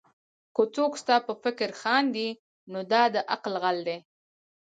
که څوک ستا پر فکر خاندي؛ نو دا د عقل غل دئ.